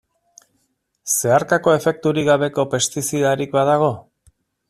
Zeharkako efekturik gabeko pestizidarik badago?